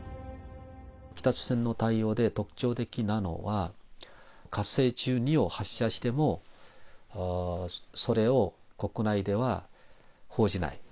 北朝鮮の対応で特徴的なのは、火星１２を発射しても、それを国内では報じない。